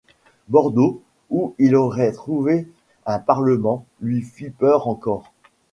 Bordeaux, où il aurait trouvé un parlement, lui fit peur encore.